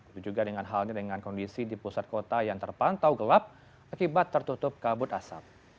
itu juga dengan halnya dengan kondisi di pusat kota yang terpantau gelap akibat tertutup kabut asap